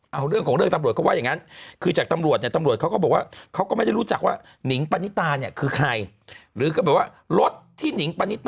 เอาเรื่องของเรื่องตำรวจก็ว่าอย่างนั้น